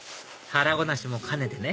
腹ごなしも兼ねてね